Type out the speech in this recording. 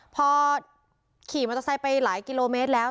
พอขี่มอเตอร์ไซค์ไปหลายกิโลเมตรแล้ว